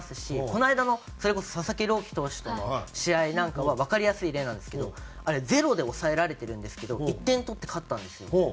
この間のそれこそ佐々木朗希投手との試合なんかはわかりやすい例なんですけどあれゼロで抑えられてるんですけど１点取って勝ったんですよ。